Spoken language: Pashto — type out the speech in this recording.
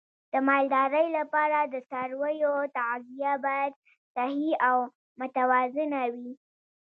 د مالدارۍ لپاره د څارویو تغذیه باید صحي او متوازنه وي.